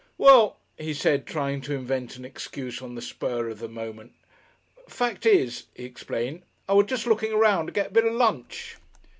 "Well," he said, trying to invent an excuse on the spur of the moment. "Fact is," he explained, "I was jest looking 'round to get a bit of lunch."